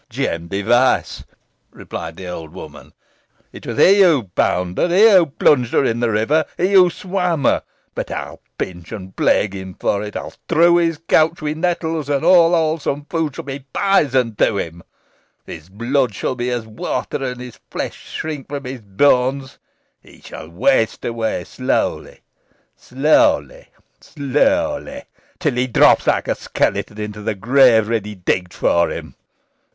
"Jem Device," replied the old woman "it was he who bound her he who plunged her in the river, he who swam her. But I will pinch and plague him for it, I will strew his couch with nettles, and all wholesome food shall be poison to him. His blood shall be as water, and his flesh shrink from his bones. He shall waste away slowly slowly slowly till he drops like a skeleton into the grave ready digged for him.